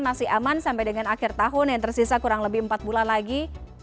masih aman sampai dengan akhir tahun yang tersisa kurang lebih empat bulan lagi